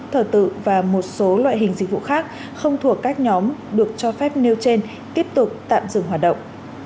thờ tự và một số loại hình dịch vụ khác không thuộc các nhóm được cho phép nêu trên tiếp tục tạm dừng hoạt động